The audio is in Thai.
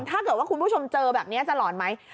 ถ้าเกิดว่าคุณผู้ชมเจอแบบนี้จะหลอนไหม